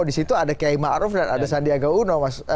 di situ ada kiai ma'ruf dan ada sandiaga uno mas agus gimana anda lihat